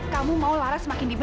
kamu mau lara semakin dibendekin